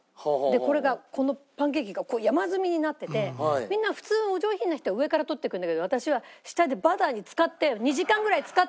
でこれがこのパンケーキが山積みになっててみんな普通お上品な人は上から取っていくんだけど私は下でバターに浸かって。